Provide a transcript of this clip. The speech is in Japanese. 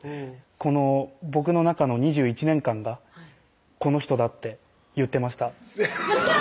この僕の中の２１年間が「この人だ」って言ってました